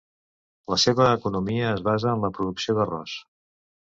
La seva economia es basa en la producció d'arròs.